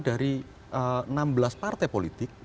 dari enam belas partai politik